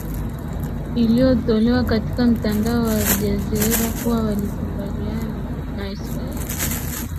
iliotolewa katika mtandao wa aljazeera kuwa walikumbaliana na israel